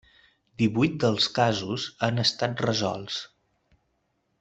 Divuit dels casos han estat resolts.